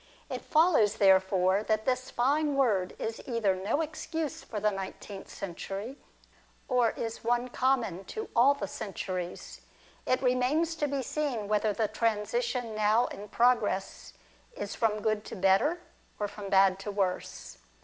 It follows therefore 1 Written in 1834. \ 214 DIALOGUE BETWEEN that this fine word is either no excuse for the nineteenth century, or is one common to all the centuries. It remains to be seen whether the transition now in pro gress is from good to better, or from bad to worse.